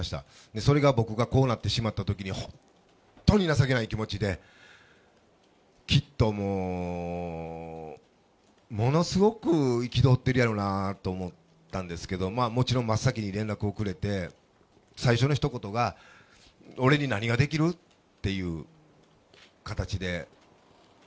それが僕がこうなってしまったときに、本当に情けない気持ちで、きっともう、ものすごく憤ってるやろなと思ったんですけど、もちろん真っ先に連絡をくれて、最初のひと言が、俺に何ができる？っていう形で。